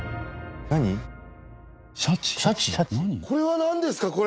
これはなんですか？